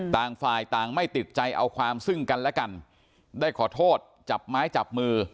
ต่างฝ่ายต่างไม่ติดใจเอาความซึ่งกันและกันได้ขอโทษจับไม้จับมือ